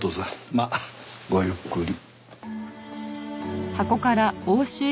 まあごゆっくり。